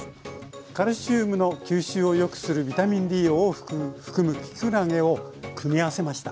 カルシウムの吸収をよくするビタミンＤを多く含むきくらげを組み合わせました。